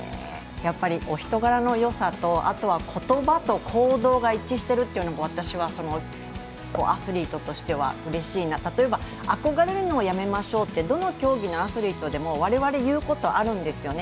やっぱりお人柄のよさとあとは言葉と行動が一致しているというのも私もアスリートとしてはうれしいなと、例えば憧れるのをやめましょうって、どの競技のアスリートでも我々言うことあるんですよね。